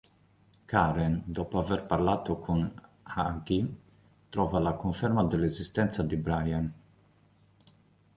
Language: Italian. Karen, dopo aver parlato con Hughie, trova la conferma dell'esistenza di Brian.